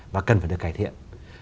và cần phải được cải thiện